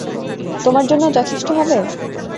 তোমার জন্যে যথেষ্ট হবে?